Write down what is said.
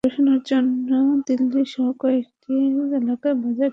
গবেষণার জন্য দিল্লিসহ কয়েকটি এলাকার বাজার থেকে মুরগির নমুনা সংগ্রহ করেন গবেষকেরা।